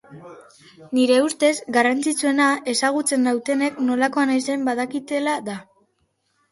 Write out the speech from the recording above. Nire ustez, garrantzitsuena ezagutzen nautenek nolakoa naizen badakitela da.